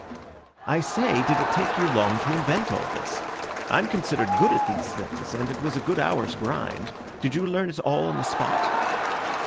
"I say, did it take you long to invent all this? I'm considered good at these things, and it was a good hour's grind. Did you learn it all on the spot?"